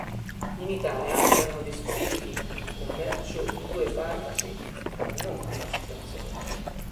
In Italia erano disponibili in commercio i due farmaci ma non come associazione.